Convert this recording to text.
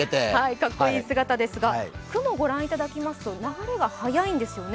かっこいい姿ですが、雲を御覧いただきますと、流れが速いんですね。